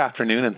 Good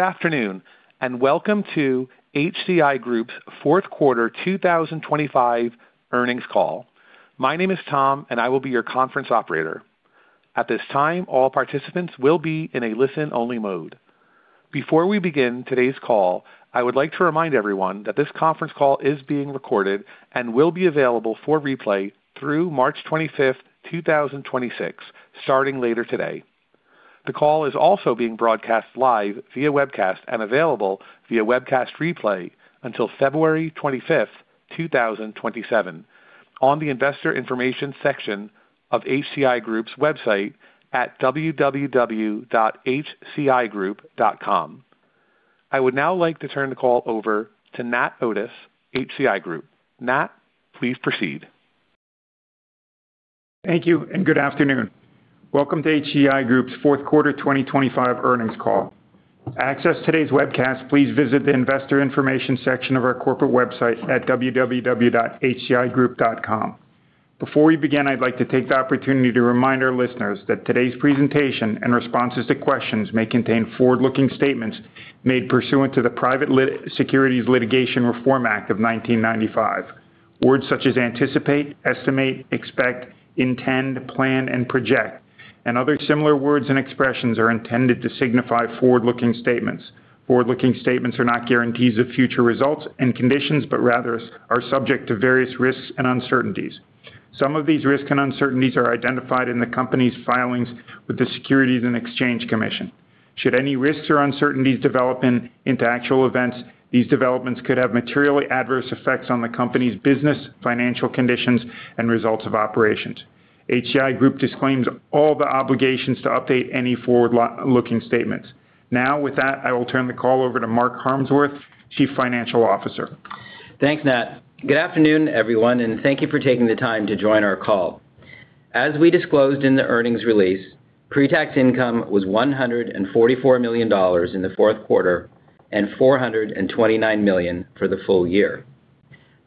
afternoon, and welcome to HCI Group's fourth quarter 2025 Earnings Call. My name is Tom, and I will be your conference operator. At this time, all participants will be in a listen-only mode. Before we begin today's call, I would like to remind everyone that this conference call is being recorded and will be available for replay through March 25, 2026, starting later today. The call is also being broadcast live via webcast and available via webcast replay until February 25, 2027, on the Investor Information section of HCI Group's website at www.hcigroup.com. I would now like to turn the call over to Nat Otis, HCI Group. Nat, please proceed. Thank you and good afternoon. Welcome to HCI Group's fourth quarter 2025 Earnings Call. To access today's webcast, please visit the Investor Information section of our corporate website at www.hcigroup.com. Before we begin, I'd like to take the opportunity to remind our listeners that today's presentation and responses to questions may contain forward-looking statements made pursuant to the Private Securities Litigation Reform Act of 1995. Words such as anticipate, estimate, expect, intend, plan, and project, and other similar words and expressions are intended to signify forward-looking statements. Forward-looking statements are not guarantees of future results and conditions, but rather are subject to various risks and uncertainties. Some of these risks and uncertainties are identified in the company's filings with the Securities and Exchange Commission. Should any risks or uncertainties develop into actual events, these developments could have materially adverse effects on the company's business, financial conditions, and results of operations. HCI Group disclaims all the obligations to update any forward-looking statements. With that, I will turn the call over to Mark Harmsworth, Chief Financial Officer. Thanks, Nat. Good afternoon, everyone, and thank you for taking the time to join our call. As we disclosed in the earnings release, pre-tax income was $144 million in the fourth quarter and $429 million for the full year.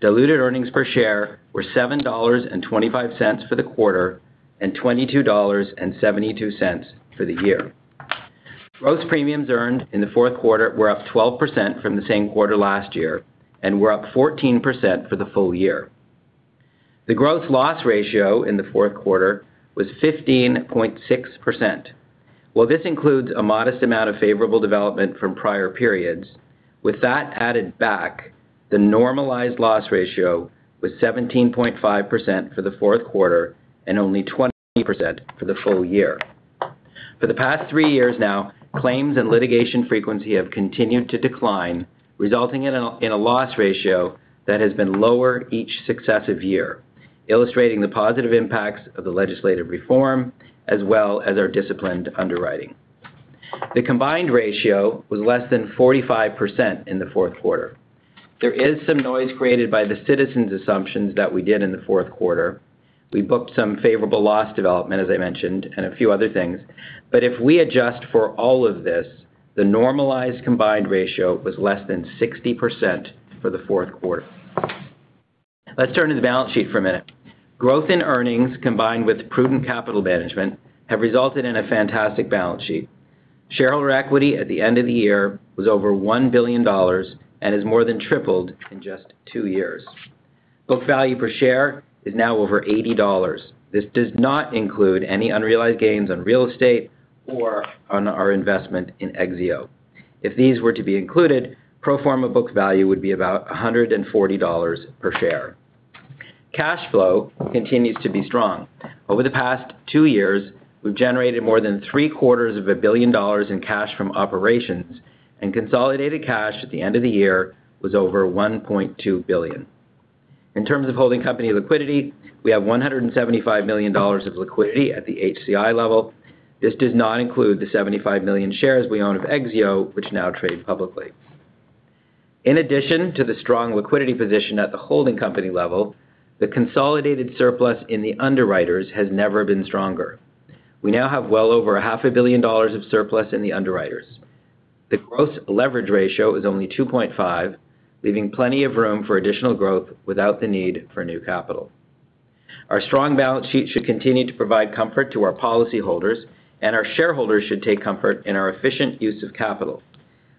Diluted earnings per share were $7.25 for the quarter and $22.72 for the year. Gross premiums earned in the fourth quarter were up 12% from the same quarter last year and were up 14% for the full year. The gross loss ratio in the fourth quarter was 15.6%. While this includes a modest amount of favorable development from prior periods, with that added back, the normalized loss ratio was 17.5% for the fourth quarter and only 20% for the full year. For the past three years now, claims and litigation frequency have continued to decline, resulting in a loss ratio that has been lower each successive year, illustrating the positive impacts of the legislative reform, as well as our disciplined underwriting. The combined ratio was less than 45% in the fourth quarter. There is some noise created by the Citizens' assumptions that we did in the fourth quarter. We booked some favorable loss development, as I mentioned, and a few other things. If we adjust for all of this, the normalized combined ratio was less than 60% for the fourth quarter. Let's turn to the balance sheet for a minute. Growth in earnings, combined with prudent capital management, have resulted in a fantastic balance sheet. Shareholder equity at the end of the year was over $1 billion and has more than tripled in just two years. Book value per share is now over $80. This does not include any unrealized gains on real estate or on our investment in Exio. If these were to be included, pro forma book value would be about $140 per share. Cash flow continues to be strong. Over the past two years, we've generated more than three-quarters of a billion dollars in cash from operations, and consolidated cash at the end of the year was over $1.2 billion. In terms of holding company liquidity, we have $175 million of liquidity at the HCI level. This does not include the 75 million shares we own of Exio, which now trade publicly. In addition to the strong liquidity position at the holding company level, the consolidated surplus in the underwriters has never been stronger. We now have well over half a billion dollars of surplus in the underwriters. The gross leverage ratio is only 2.5, leaving plenty of room for additional growth without the need for new capital. Our strong balance sheet should continue to provide comfort to our policyholders. Our shareholders should take comfort in our efficient use of capital.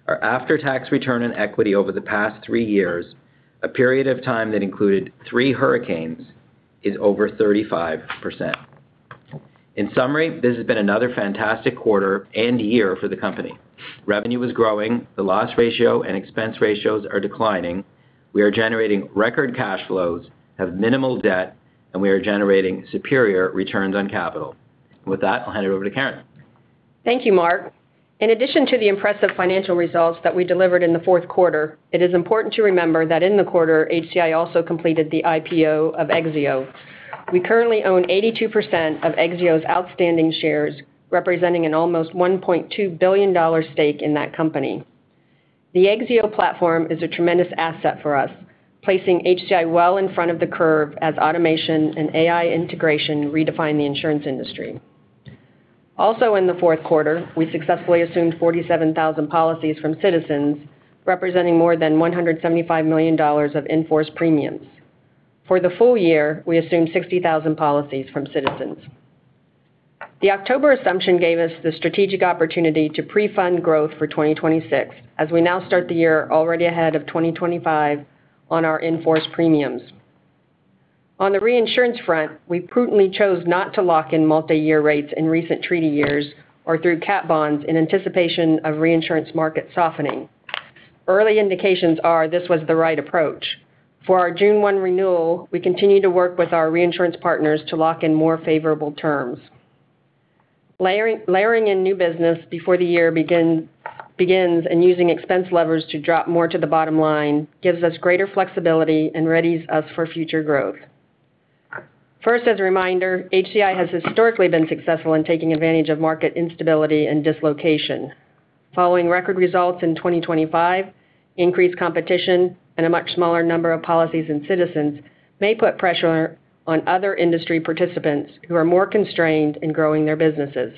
Our after-tax return on equity over the past three years, a period of time that included three hurricanes, is over 35%. In summary, this has been another fantastic quarter and year for the company. Revenue is growing. The loss ratio and expense ratios are declining. We are generating record cash flows, have minimal debt. We are generating superior returns on capital. With that, I'll hand it over to Karin. Thank you, Mark. In addition to the impressive financial results that we delivered in the fourth quarter, it is important to remember that in the quarter, HCI also completed the IPO of Exio. We currently own 82% of Exio's outstanding shares, representing an almost $1.2 billion stake in that company. The Exio platform is a tremendous asset for us, placing HCI well in front of the curve as automation and AI integration redefine the insurance industry. In the fourth quarter, we successfully assumed 47,000 policies from Citizens, representing more than $175 million of in-force premiums. For the full year, we assumed 60,000 policies from Citizens. The October assumption gave us the strategic opportunity to prefund growth for 2026, as we now start the year already ahead of 2025 on our in-force premiums. On the reinsurance front, we prudently chose not to lock in multiyear rates in recent treaty years or through cat bonds in anticipation of reinsurance market softening. Early indications are this was the right approach. For our June 1 renewal, we continue to work with our reinsurance partners to lock in more favorable terms. Layering in new business before the year begins, and using expense levers to drop more to the bottom line gives us greater flexibility and readies us for future growth. As a reminder, HCI has historically been successful in taking advantage of market instability and dislocation. Following record results in 2025, increased competition and a much smaller number of policies in Citizens may put pressure on other industry participants who are more constrained in growing their businesses.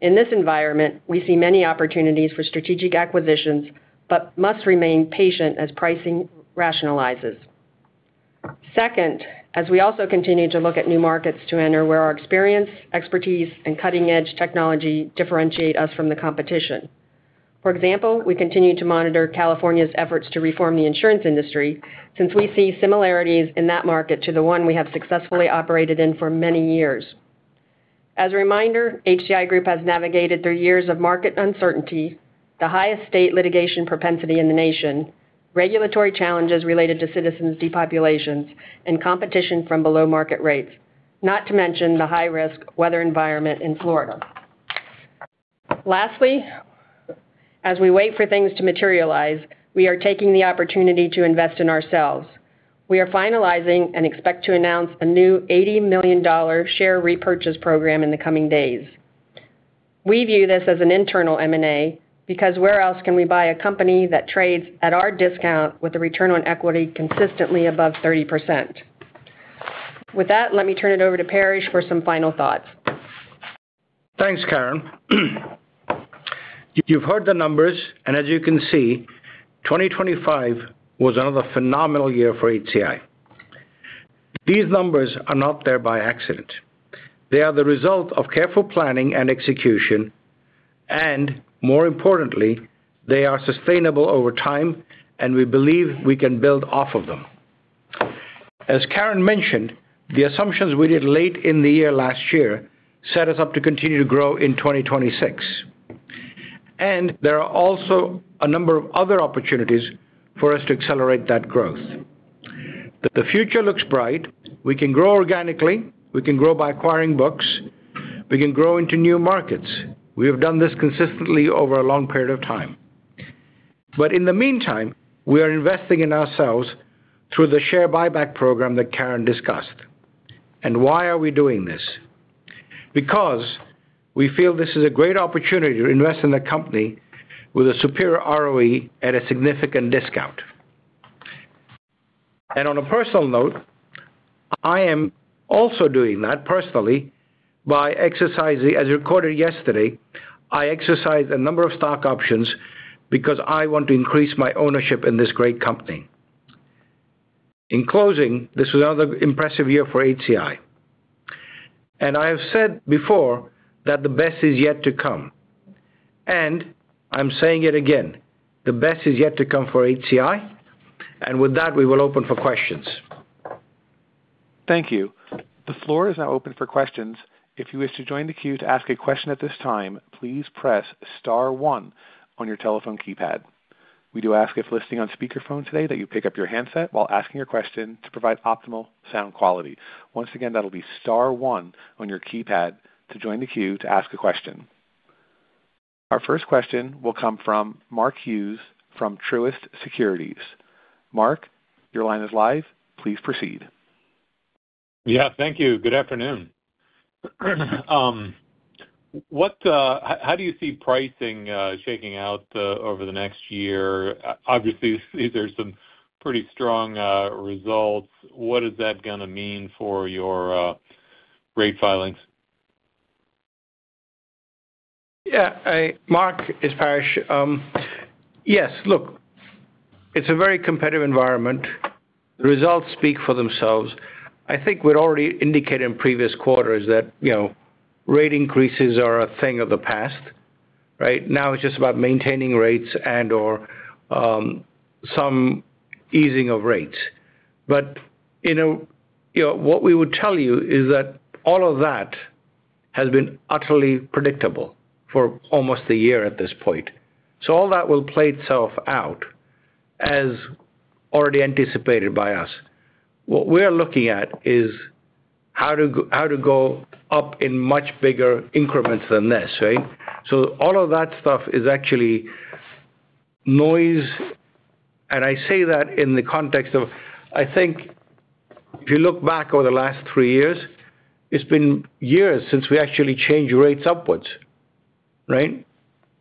In this environment, we see many opportunities for strategic acquisitions but must remain patient as pricing rationalizes. As we also continue to look at new markets to enter, where our experience, expertise, and cutting-edge technology differentiate us from the competition. For example, we continue to monitor California's efforts to reform the insurance industry, since we see similarities in that market to the one we have successfully operated in for many years. As a reminder, HCI Group has navigated through years of market uncertainty, the highest state litigation propensity in the nation, regulatory challenges related to Citizens' depopulations, and competition from below-market rates, not to mention the high-risk weather environment in Florida. As we wait for things to materialize, we are taking the opportunity to invest in ourselves. We are finalizing and expect to announce a new $80 million share repurchase program in the coming days. We view this as an internal M&A because where else can we buy a company that trades at our discount with a return on equity consistently above 30%? With that, let me turn it over to Paresh for some final thoughts. Thanks, Karin. You've heard the numbers, as you can see, 2025 was another phenomenal year for HCI. These numbers are not there by accident. They are the result of careful planning and execution, more importantly, they are sustainable over time, we believe we can build off of them. As Karin mentioned, the assumptions we did late in the year last year set us up to continue to grow in 2026, there are also a number of other opportunities for us to accelerate that growth. The future looks bright. We can grow organically. We can grow by acquiring books. We can grow into new markets. We have done this consistently over a long period of time. In the meantime, we are investing in ourselves through the share buyback program that Karin discussed. Why are we doing this? We feel this is a great opportunity to invest in a company with a superior ROE at a significant discount. On a personal note, I am also doing that personally by exercising, as recorded yesterday, I exercised a number of stock options because I want to increase my ownership in this great company. In closing, this was another impressive year for HCI, and I have said before that the best is yet to come, and I'm saying it again, the best is yet to come for HCI. With that, we will open for questions. Thank you. The floor is now open for questions. If you wish to join the queue to ask a question at this time, please press star one on your telephone keypad. We do ask, if listening on speakerphone today, that you pick up your handset while asking your question to provide optimal sound quality. Once again, that'll be star one on your keypad to join the queue to ask a question. Our first question will come from Mark Hughes from Truist Securities. Mark, your line is live. Please proceed. Yeah, thank you. Good afternoon. What, how do you see pricing shaking out over the next year? Obviously, these are some pretty strong results. What is that going to mean for your rate filings? Yeah, Mark, it's Paresh. Yes, look, it's a very competitive environment. The results speak for themselves. I think we'd already indicated in previous quarters that, you know, rate increases are a thing of the past, right? Now, it's just about maintaining rates and/or some easing of rates. You know, what we would tell you is that all of that has been utterly predictable for almost a year at this point. All that will play itself out, as already anticipated by us. What we're looking at is how to go up in much bigger increments than this, right? All of that stuff is actually noise, and I say that in the context of, I think if you look back over the last three years, it's been years since we actually changed rates upwards, right?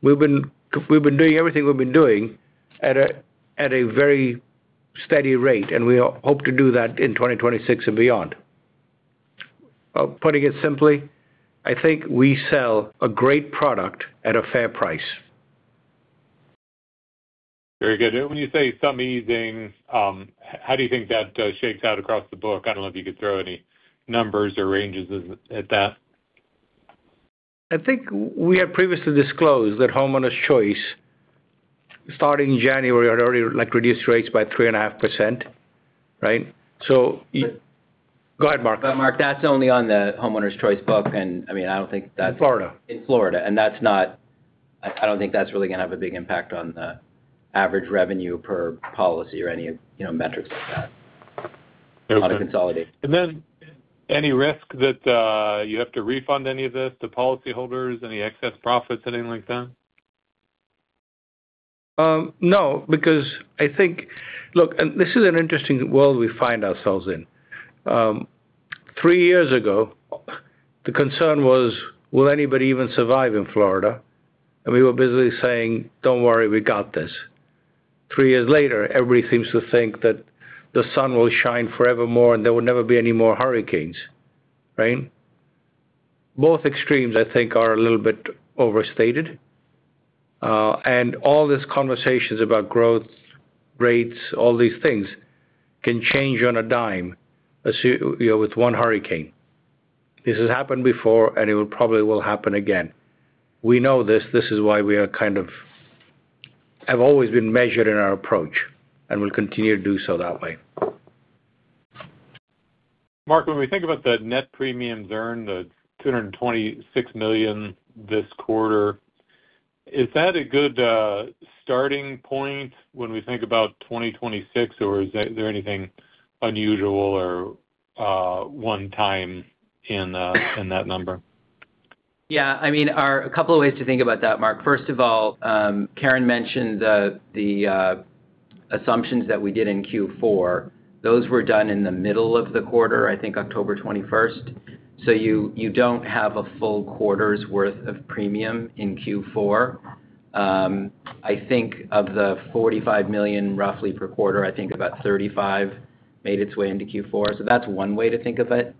We've been doing everything we've been doing at a very steady rate. We hope to do that in 2026 and beyond. Putting it simply, I think we sell a great product at a fair price. Very good. When you say some easing, how do you think that shakes out across the book? I don't know if you could throw any numbers or ranges at that. I think we have previously disclosed that Homeowners Choice, starting January, had already, like, reduced rates by 3.5%, right? Go ahead, Mark. Mark, that's only on the Homeowners Choice book, and, I mean, I don't think. In Florida. In Florida, I don't think that's really going to have a big impact on the average revenue per policy or any, you know, metrics like that on a consolidated. Any risk that you have to refund any of this to policyholders, any excess profits, anything like that? No, because I think... Look, this is an interesting world we find ourselves in. Three years ago, the concern was: Will anybody even survive in Florida? We were busily saying, "Don't worry, we got this." Three years later, everybody seems to think that the sun will shine forevermore, and there will never be any more hurricanes, right? Both extremes, I think, are a little bit overstated. All these conversations about growth, rates, all these things, can change on a dime, you know, with one hurricane. This has happened before, and it will probably happen again. We know this. This is why we have always been measured in our approach and will continue to do so that way. Mark, when we think about the net premiums earned, the $226 million this quarter, is that a good starting point when we think about 2026, or is there anything unusual or one time in that number? I mean, a couple of ways to think about that, Mark. Karin mentioned the assumptions that we did in Q4. Those were done in the middle of the quarter, I think October 21st. You don't have a full quarter's worth of premium in Q4. I think of the $45 million, roughly, per quarter, I think about $35 made its way into Q4. That's one way to think of it.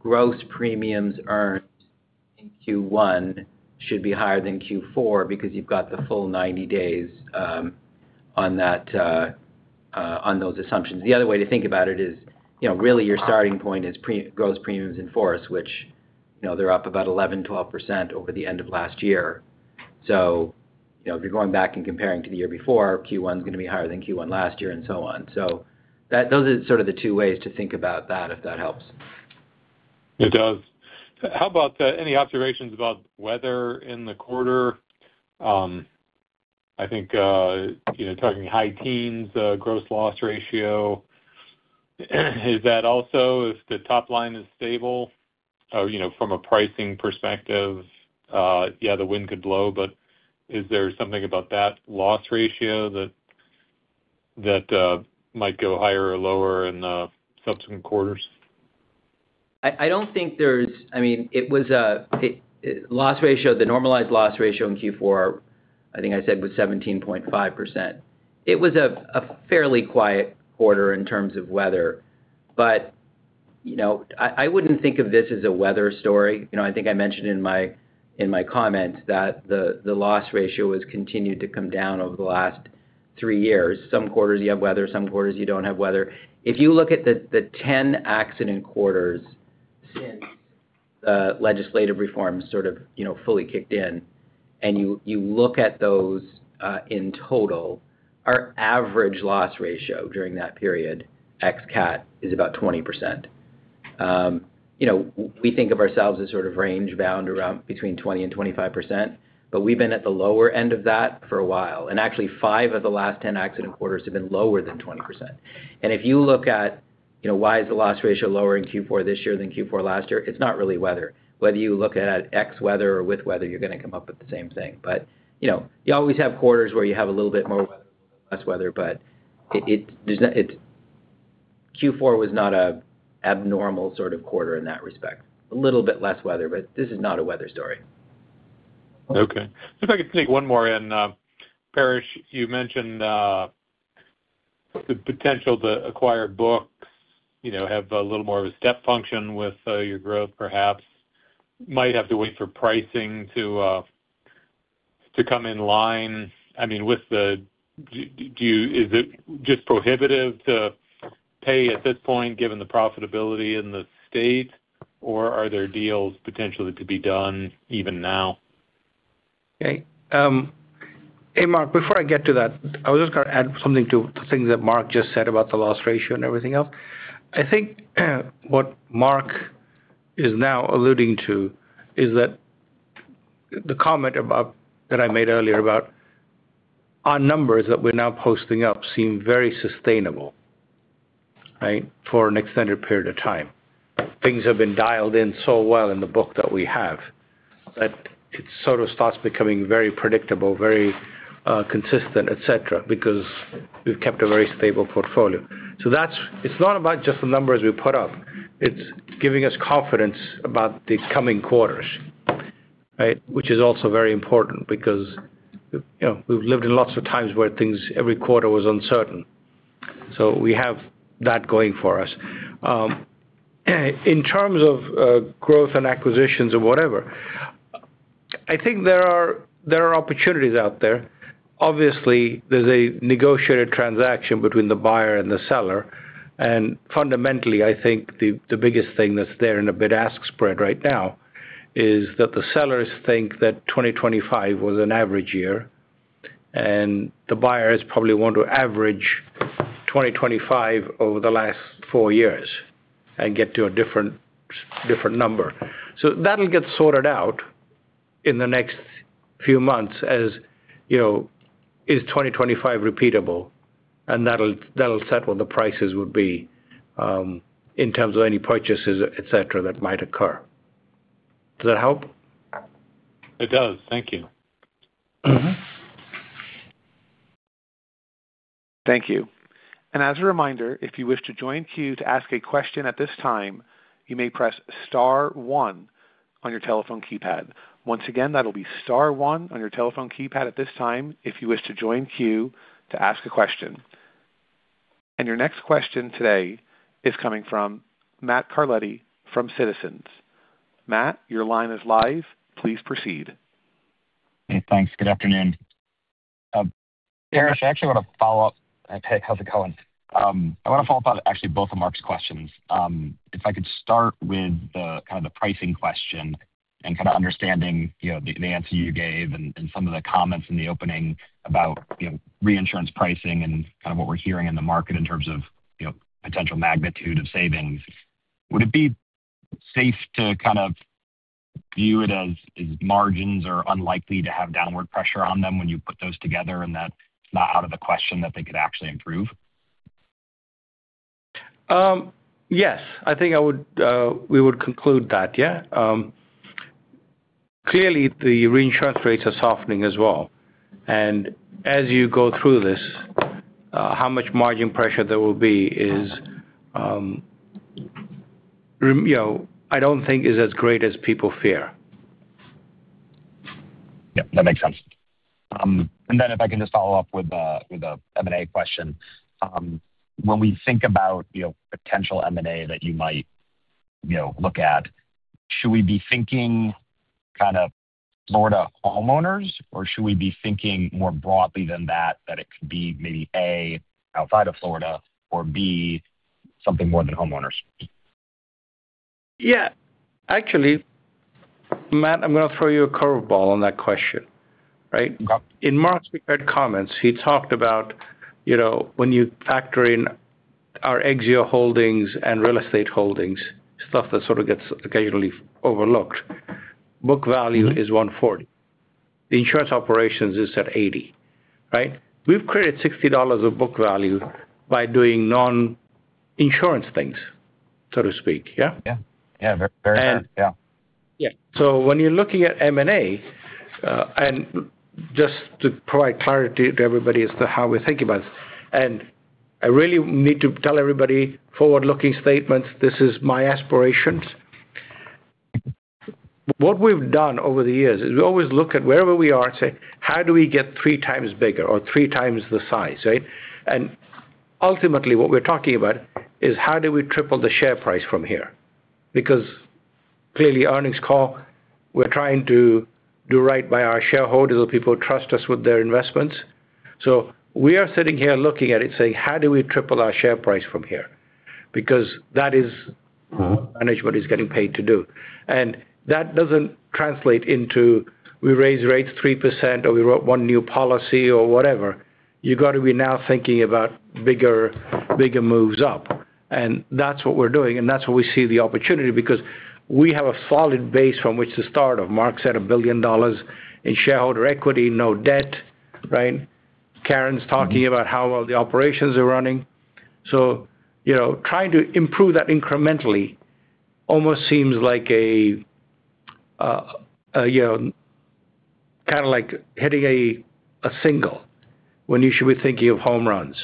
Gross premiums earned in Q1 should be higher than Q4 because you've got the full 90 days on those assumptions. The other way to think about it is, you know, really, your starting point is gross premiums in force, which, you know, they're up about 11%-12% over the end of last year. You know, if you're going back and comparing to the year before, Q1 is going to be higher than Q1 last year, and so on. Those are sort of the two ways to think about that, if that helps. It does. How about any observations about weather in the quarter? I think, you know, talking high teens gross loss ratio, is that also, if the top line is stable, or, you know, from a pricing perspective, yeah, the wind could blow, but is there something about that gross loss ratio that might go higher or lower in the subsequent quarters? I mean, it was a loss ratio, the normalized loss ratio in Q4, I think I said, was 17.5%. It was a fairly quiet quarter in terms of weather. You know, I wouldn't think of this as a weather story. You know, I think I mentioned in my comments that the loss ratio has continued to come down over the last three years. Some quarters you have weather, some quarters you don't have weather. If you look at the 10 accident quarters since the legislative reforms sort of, you know, fully kicked in, and you look at those in total, our average loss ratio during that period, ex cat, is about 20%. You know, we think of ourselves as sort of range-bound around between 20% and 25%, but we've been at the lower end of that for a while, and actually, 5 of the last 10 accident quarters have been lower than 20%. You know, why is the loss ratio lower in Q4 this year than Q4 last year? It's not really weather. Whether you look at X weather or with weather, you're going to come up with the same thing. You know, you always have quarters where you have a little bit more weather, less weather, but Q4 was not a abnormal sort of quarter in that respect. A little bit less weather, this is not a weather story. Okay. If I could sneak one more in, Paresh, you mentioned the potential to acquire books, you know, have a little more of a step function with your growth, perhaps might have to wait for pricing to come in line. I mean, with the, is it just prohibitive to pay at this point, given the profitability in the state, or are there deals potentially to be done even now? Hey, Mark, before I get to that, I was just going to add something to the things that Mark just said about the loss ratio and everything else. I think what Mark is now alluding to is that the comment about that I made earlier about our numbers that we're now posting up seem very sustainable, right? For an extended period of time. Things have been dialed in so well in the book that we have, that it sort of starts becoming very predictable, very consistent, et cetera, because we've kept a very stable portfolio. That's it's not about just the numbers we put up. It's giving us confidence about the coming quarters, right? Which is also very important because, you know, we've lived in lots of times where things every quarter was uncertain, we have that going for us. In terms of growth and acquisitions or whatever, I think there are opportunities out there. Obviously, there's a negotiated transaction between the buyer and the seller. Fundamentally, I think the biggest thing that's there in a bid ask spread right now is that the sellers think that 2025 was an average year, and the buyers probably want to average 2025 over the last four years and get to a different number. That'll get sorted out in the next few months, as you know, is 2025 repeatable? That'll set what the prices would be in terms of any purchases, et cetera, that might occur. Does that help? It does. Thank you. Mm-hmm. Thank you. As a reminder, if you wish to join queue to ask a question at this time, you may press star one on your telephone keypad. Once again, that'll be star one on your telephone keypad at this time, if you wish to join queue to ask a question. Your next question today is coming from Matt Carletti from Citizens. Matt, your line is live. Please proceed. Hey, thanks. Good afternoon. Paresh, I actually want to follow up. Hey, how's it going? I want to follow up on actually both of Mark's questions. If I could start with the kind of the pricing question and kind of understanding, you know, the answer you gave and some of the comments in the opening about, you know, reinsurance pricing and kind of what we're hearing in the market in terms of, you know, potential magnitude of savings. Would it be safe to kind of view it as margins are unlikely to have downward pressure on them when you put those together, and that's not out of the question, that they could actually improve? Yes, I think I would, we would conclude that, yeah. Clearly, the reinsurance rates are softening as well. As you go through this, how much margin pressure there will be is, you know, I don't think is as great as people fear. Yeah, that makes sense. If I can just follow up with a M&A question. When we think about, you know, potential M&A that you might, you know, look at, should we be thinking kind of Florida homeowners, or should we be thinking more broadly than that it could be maybe A, outside of Florida or B, something more than homeowners? Yeah. Actually, Matt, I'm going to throw you a curve ball on that question, right? Okay. In Mark's prepared comments, he talked about, you know, when you factor in our Exio holdings and real estate holdings, stuff that sort of gets occasionally overlooked, book value- Mm-hmm. - is $140. The insurance operations is at $80, right? We've created $60 a book value by doing non-insurance things, so to speak. Yeah? Yeah. Yeah, very fair. And- Yeah. Yeah. When you're looking at M&A, just to provide clarity to everybody as to how we're thinking about this, I really need to tell everybody forward-looking statements, this is my aspirations. What we've done over the years is we always look at wherever we are and say, how do we get three times bigger or three times the size, right? Ultimately, what we're talking about is how do we triple the share price from here? Because clearly, earnings call, we're trying to do right by our shareholders, the people who trust us with their investments. We are sitting here looking at it and saying, "How do we triple our share price from here?" Because that is. Mm-hmm. management is getting paid to do. That doesn't translate into we raised rates 3%, or we wrote one new policy or whatever. You got to be now thinking about bigger moves up, and that's what we're doing, and that's where we see the opportunity, because we have a solid base from which to start of. Mark said $1 billion in shareholder equity, no debt, right? Karen's talking about how well the operations are running. You know, trying to improve that incrementally almost seems like a, you know, kind of like hitting a single when you should be thinking of home runs,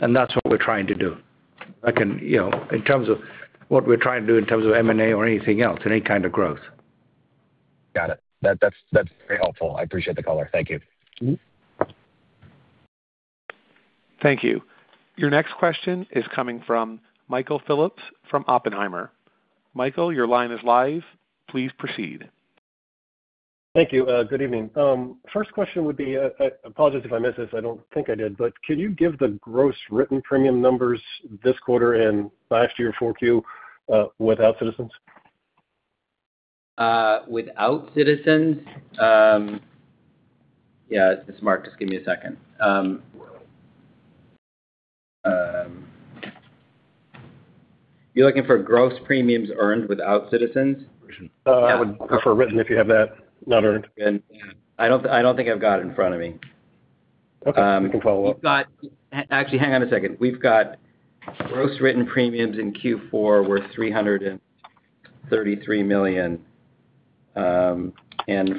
and that's what we're trying to do. I can, you know, in terms of what we're trying to do, in terms of M&A or anything else, in any kind of growth. Got it. That's very helpful. I appreciate the color. Thank you. Mm-hmm. Thank you. Your next question is coming from Michael Phillips from Oppenheimer. Michael, your line is live. Please proceed. Thank you. Good evening. First question would be, apologies if I missed this. I don't think I did, but can you give the gross written premium numbers this quarter and last year, 4Q, without Citizens? Without Citizens? Yeah, it's Mark, just give me a second. You're looking for gross premiums earned without Citizens? I would prefer written, if you have that, not earned. I don't think I've got it in front of me. Okay, we can follow up. We've got actually, hang on a second. We've got gross written premiums in Q4 were $333 million. I don't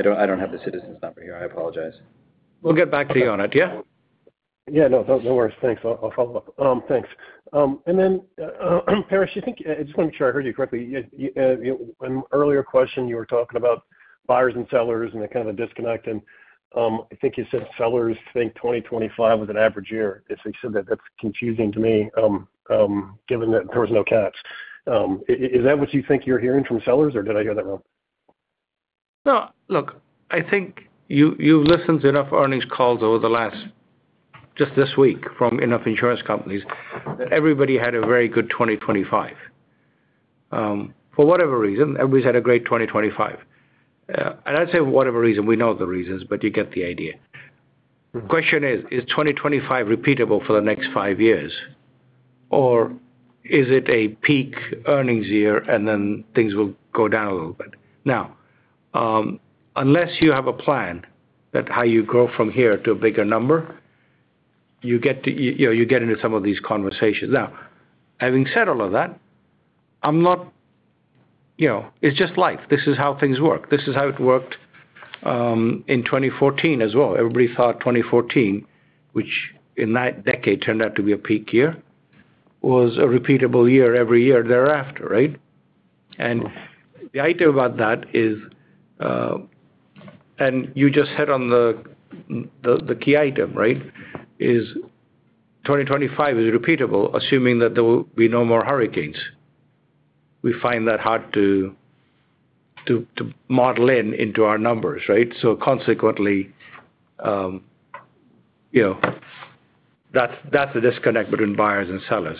have the Citizens number here. I apologize. We'll get back to you on it, yeah? Yeah. No worries. Thanks. I'll follow up. Thanks. Paresh, you think, I just want to make sure I heard you correctly. You, an earlier question, you were talking about buyers and sellers and the kind of disconnect, I think you said sellers think 2025 was an average year. If you said that's confusing to me, given that there was no cats. Is that what you think you're hearing from sellers, or did I hear that wrong? No. Look, I think you've listened to enough earnings calls over the last, just this week, from enough insurance companies, that everybody had a very good 2025. For whatever reason, everybody's had a great 2025. I'd say whatever reason, we know the reasons, but you get the idea. The question is: Is 2025 repeatable for the next five years, or is it a peak earnings year, and then things will go down a little bit? Unless you have a plan that how you grow from here to a bigger number, you get to, you know, you get into some of these conversations. Having said all of that, I'm not... You know, it's just life. This is how things work. This is how it worked, in 2014 as well. Everybody thought 2014, which in that decade turned out to be a peak year, was a repeatable year every year thereafter, right? The idea about that is, and you just hit on the key item, right, is 2025 is repeatable, assuming that there will be no more hurricanes. We find that hard to model into our numbers, right? Consequently, you know, that's the disconnect between buyers and sellers.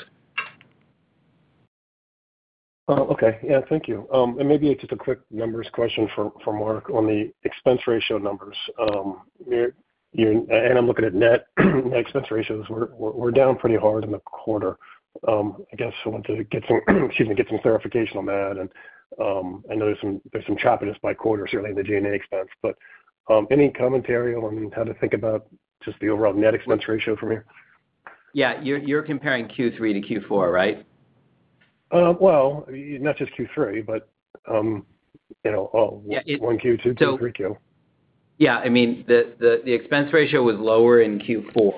Okay. Yeah, thank you. Maybe just a quick numbers question for Mark on the expense ratio numbers. I'm looking at net expense ratios. We're down pretty hard in the quarter. I guess I want to get some clarification on that. I know there's some choppiness by quarter, certainly in the G&A expense. Any commentary on how to think about just the overall net expense ratio from here? Yeah. You're comparing Q3-Q4, right? Well, not just Q3, but, you know. Yeah. 1Q, 2Q, 3Q. Yeah. I mean, the expense ratio was lower in Q4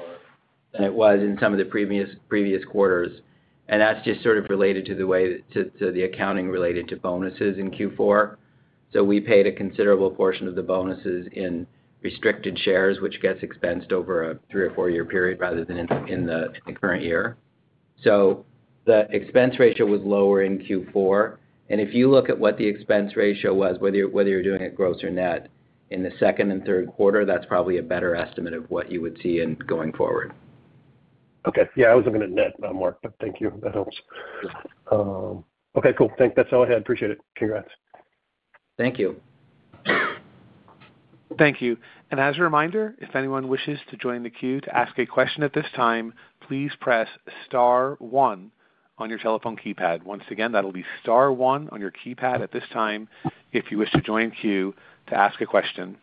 than it was in some of the previous quarters, and that's just sort of related to the way to the accounting related to bonuses in Q4. We paid a considerable portion of the bonuses in restricted shares, which gets expensed over a three or four-year period rather than in the current year. The expense ratio was lower in Q4, and if you look at what the expense ratio was, whether you're doing it gross or net, in the second and third quarter, that's probably a better estimate of what you would see in going forward. Okay. Yeah, I was looking at net, Mark, but thank you. That helps. Okay, cool. That's all I had. Appreciate it. Congrats. Thank you. Thank you. As a reminder, if anyone wishes to join the queue to ask a question at this time, please press star one on your telephone keypad. Once again, that'll be star one on your keypad at this time, if you wish to join queue to ask a question.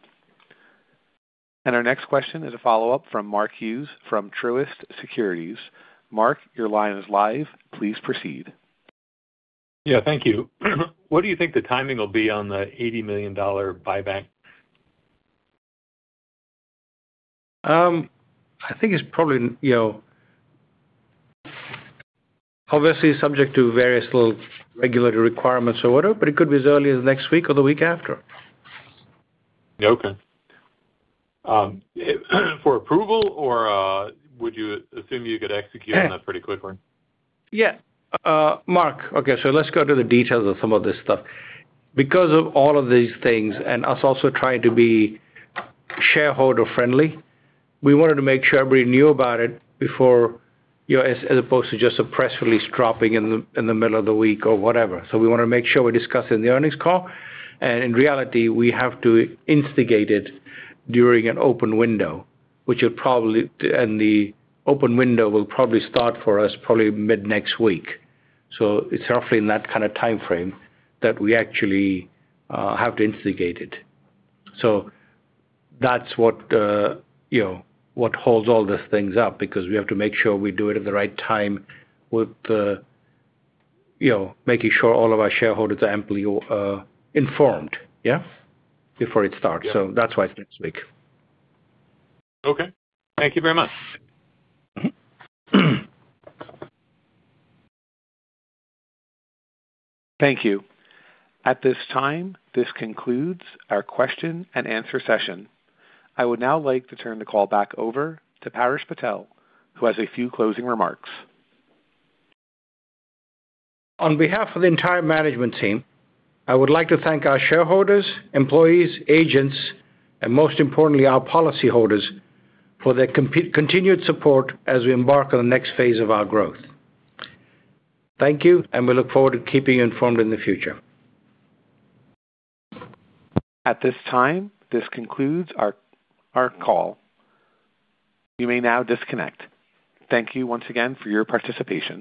Our next question is a follow-up from Mark Hughes, from Truist Securities. Mark, your line is live. Please proceed. Yeah, thank you. What do you think the timing will be on the $80 million buyback? I think it's probably, you know, obviously subject to various little regulatory requirements or whatever, but it could be as early as next week or the week after. Okay. For approval, or, would you assume you could execute on that pretty quickly? Yeah. Mark, okay, let's go to the details of some of this stuff. Because of all of these things and us also trying to be shareholder-friendly, we wanted to make sure everybody knew about it before, you know, as opposed to just a press release dropping in the, in the middle of the week or whatever. We want to make sure we discuss it in the earnings call, and in reality, we have to instigate it during an open window. The open window will probably start for us probably mid-next week. It's roughly in that kind of timeframe that we actually have to instigate it. That's what, you know, what holds all these things up, because we have to make sure we do it at the right time with, you know, making sure all of our shareholders are amply informed, yeah, before it starts. Yeah. That's why it's next week. Okay. Thank you very much. Mm-hmm. Thank you. At this time, this concludes our question-and-answer session. I would now like to turn the call back over to Paresh Patel, who has a few closing remarks. On behalf of the entire management team, I would like to thank our shareholders, employees, agents, and most importantly, our policyholders, for their continued support as we embark on the next phase of our growth. Thank you. We look forward to keeping you informed in the future. At this time, this concludes our call. You may now disconnect. Thank you once again for your participation.